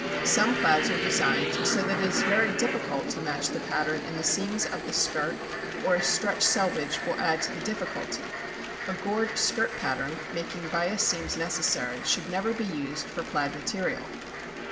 Some plaids are designed so that it is very difficult to match the pattern in the seams of the skirt or a stretched selvedge will add to the difficulty. A gored skirt pattern making bias seams necessary should never be used for plaid material.